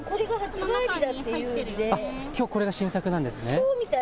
きょうこれが新作なんですね。